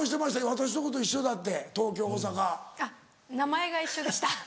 私のとこと一緒だって東京大阪。名前が一緒でした。